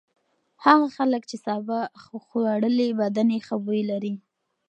هغه خلک چې سابه خوړلي بدن یې ښه بوی لري.